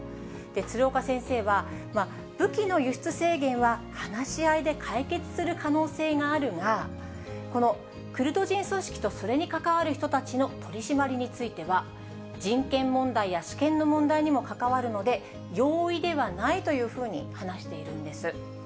鶴岡先生は、武器の輸出制限は話し合いで解決する可能性があるが、このクルド人組織とそれに関わる人たちの取締りについては、人権問題や主権の問題に関わるので、容易ではないというふうに話しているんです。